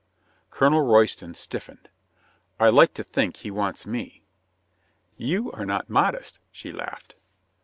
Colonel Royston stiffened. "I like to think he wants me." "You are not modest," she laughed.